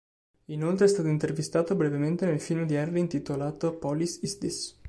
Inoltre è stato intervistato brevemente nel film di Henry intitolato "Polis is this".